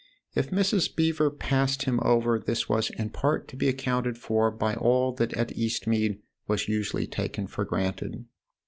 If Mrs. Beever passed him over, this was in part to be accounted for by all that at Eastmead was usually taken for granted.